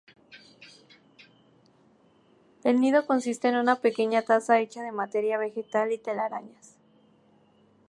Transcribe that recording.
El nido consiste en una pequeña taza hecha de materia vegetal y telarañas.